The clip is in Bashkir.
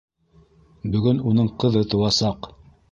Бөгөн уның ҡыҙы тыуасаҡ!